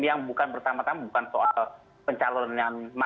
yang pertama tama bukan soal pencalonan mas aniesnya